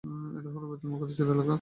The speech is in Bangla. এটা হলো বায়তুল মুকাদ্দাসের এলাকা।